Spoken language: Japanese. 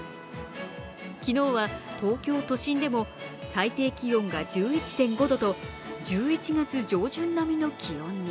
昨日は東京都心でも最低気温が１１．５度と１１月上旬並みの気温に。